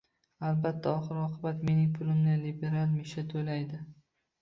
Albatta, oxir -oqibat mening pulimni liberal Misha to'laydi